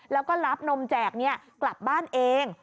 แล้วก็รับนมแจกกลับบ้านเอง